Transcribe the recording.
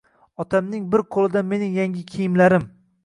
Otamning bir qo‘lida mening yangi kiyimlarim